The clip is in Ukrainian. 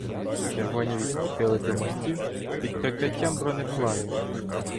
Червоні відступили до мостів під прикриття бронеплавів.